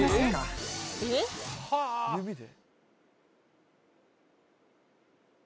・指で？